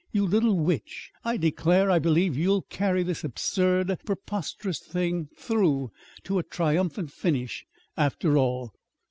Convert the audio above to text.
"You little witch! I declare I believe you'll carry this absurd, preposterous thing through to a triumphant finish, after all."